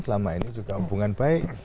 selama ini juga hubungan baik